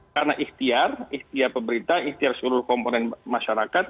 karena istiar istiar pemerintah istiar seluruh komponen masyarakat